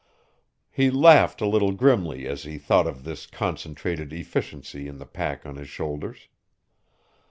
He laughed a little grimly as he thought of this concentrated efficiency in the pack on his shoulders.